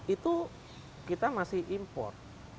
itu kita masih impor